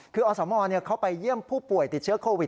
คืออสมเขาไปเยี่ยมผู้ป่วยติดเชื้อโควิด